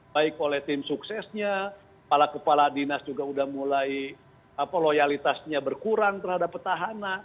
baik oleh tim suksesnya kepala kepala dinas juga sudah mulai loyalitasnya berkurang terhadap petahana